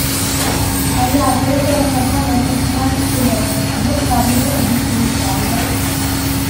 Hayate torna come personaggio segreto, sbloccabile ed utilizzabile.